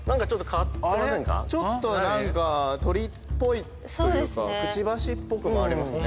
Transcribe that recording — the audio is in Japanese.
ちょっと何か鳥っぽいというかくちばしっぽくもありますね。